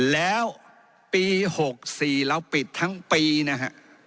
แล้วปี๖๔เราปิดทั้งปีนะฮะ